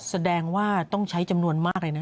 แสดงว่าต้องใช้จำนวนมากเลยนะ